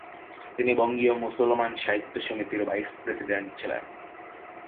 তিনি বঙ্গীয় মুসলমান সাহিত্য সমিতির ভাইস-প্রেসিডেন্ট ছিলেন।